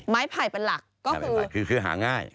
ไม้ไผ่เป็นหลักก็คือคือหาง่าย